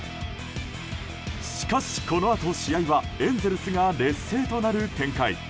しかし、このあと試合はエンゼルスが劣勢となる展開。